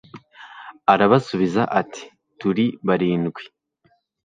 arabasubiza ati turi barindwi